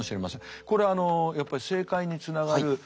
これあのやっぱり正解につながる。